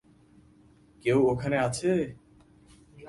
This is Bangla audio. কেউ ওখানে আছে!